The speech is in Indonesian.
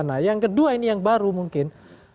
nah yang kedua ini yang baru mungkin